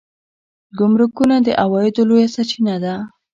ګمرکونه د عوایدو لویه سرچینه ده